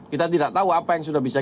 kita tidak tahu apa yang sudah bisa